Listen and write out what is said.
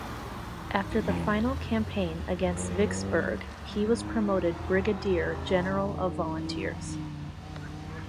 After the final campaign against Vicksburg, he was promoted brigadier general of volunteers.